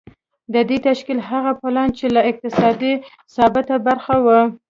د دې تشکيل هغه پلان چې له اقتصادي ثباته برخمن و.